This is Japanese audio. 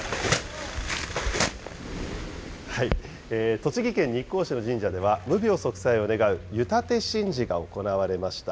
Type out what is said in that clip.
栃木県日光市の神社では、無病息災を願う湯立神事が行われました。